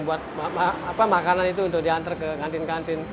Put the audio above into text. buat makanan itu untuk diantar ke kantin kantin